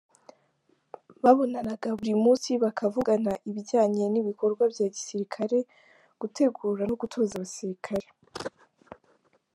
Babonanaga buri munsi, bakavugana ibijyanye n’ibikorwa bya gisirikare, gutegura no gutoza abasirikare.